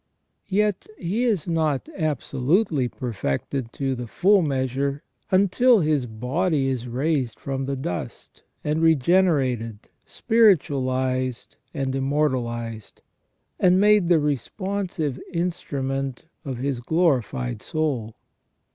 Yet he is not absolutely perfected to the full measure until his body is raised from the dust, and regenerated, spiritualised, and immortalised, and made the responsive instrument of his glorified soul.